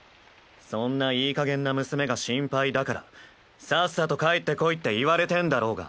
そんないいかげんな娘が心配だからさっさと帰って来いって言われてんだろうが。